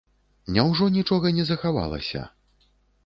Няўжо нічога не захавалася?